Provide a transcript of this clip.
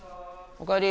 おかえり。